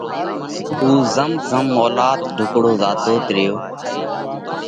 اُو زم زم مولات ڍُوڪڙو زاتوت ريو،